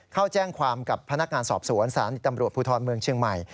เข้าแจ้งความกับพนักงานสอบสวนศาลีตำรวจภูทรเมืองเชียงใหม่